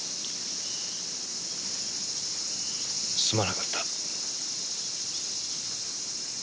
すまなかった。